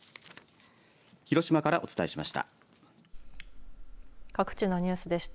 広島からお伝えしました。